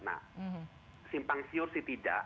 nah simpang siur sih tidak